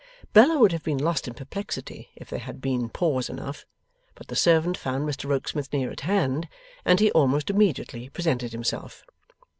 Bella would have been lost in perplexity if there had been pause enough; but the servant found Mr Rokesmith near at hand, and he almost immediately presented himself.